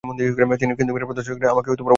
কিন্তু মীরা শ্রদ্ধাশীল চিত্তে সকল অপমান সহ্য করে।